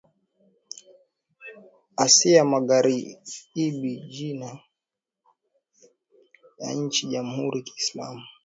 Asia ya MagharibiJina rasmi ya nchi ni Jamhuri ya Kiislamu ya